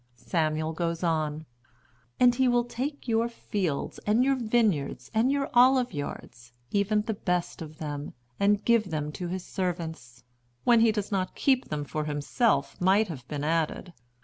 Samuel goes on: "And he will take your fields, and your vineyards, and your oliveyards, even the best of them, and give them to his servants"—when he does not keep them for himself might have been added.